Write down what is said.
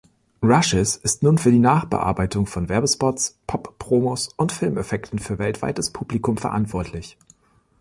Rushes ist nun für die Nachbearbeitung von Werbespots, Pop-Promos und Filmeffekten für weltweites Publikum verantwortlich.